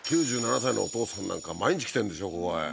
９７歳のおとうさんなんか毎日来てんでしょここへ。